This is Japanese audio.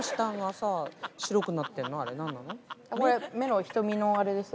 これ目の瞳のあれです。